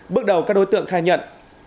bước đầu các đối tượng khai nhận